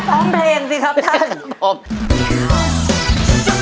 ร้องเพลงสิครับท่าน